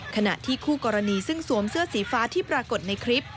ขณะที่คู่กรณีซึ่งสวมเสื้อสีฟ้าที่ปรากฏในคลิป